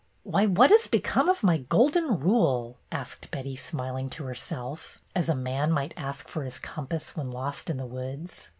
"Why, what has become of my Golden Rule?'^ asked Betty, smiling to herself, as a man might ask for his compass when lost in the woods.